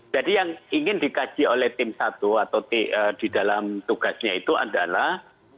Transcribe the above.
jadi yang ingin dikaji oleh tim satu atau di dalam tugasnya itu adalah